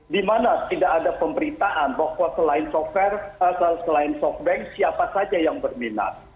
di mana tidak ada pemberitaan bahwa selain software selain softbank siapa saja yang berminat